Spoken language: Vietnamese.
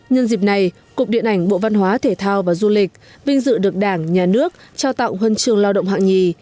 nhân dịp này cục điện ảnh bộ văn hóa thể thao và du lịch vinh dự được đảng nhà nước trao tặng huân trường lao động hạng nhì